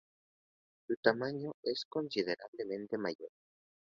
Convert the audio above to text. Su tamaño es considerablemente mayor.